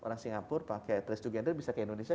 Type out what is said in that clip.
orang singapura pakai trace to gender bisa ke indonesia